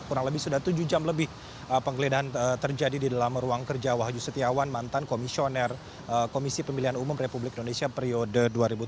kurang lebih sudah tujuh jam lebih penggeledahan terjadi di dalam ruang kerja wahyu setiawan mantan komisioner komisi pemilihan umum republik indonesia periode dua ribu tujuh belas dua ribu dua